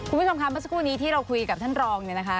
คุณผู้ชมครับประสบคู่นี้ที่เราคุยกับท่านรองนะคะ